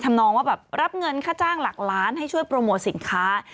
นองว่าแบบรับเงินค่าจ้างหลักล้านให้ช่วยโปรโมทสินค้า